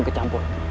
gak ada masalah